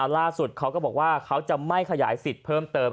เขาก็บอกว่าเขาจะไม่ขยายสิทธิ์เพิ่มเติม